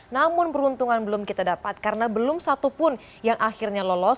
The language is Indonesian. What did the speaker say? namun peruntungan belum kita dapat karena belum satu pun yang akhirnya lolos